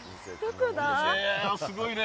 すごいね。